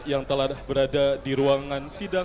yang telah berada di ruangan sidang